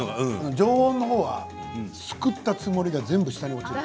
常温のほうはすくったつもりが全部下に落ちる。